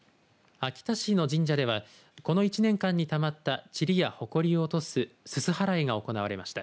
秋田市の神社ではこの１年間にたまったちりやほこりを落とすすす払いが行われました。